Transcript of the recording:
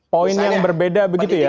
poin yang berbeda begitu ya